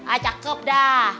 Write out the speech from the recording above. ah cakep dah